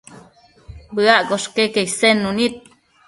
Bëaccosh queque isednu nid